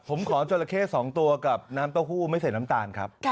ผมขอจราเข้๒ตัวกับน้ำเต้าหู้ไม่ใส่น้ำตาลครับ